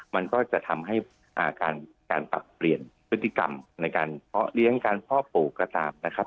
มันก็จะทำให้การปรับเปลี่ยนพฤติกรรมในการเพาะเลี้ยงการเพาะปลูกก็ตามนะครับ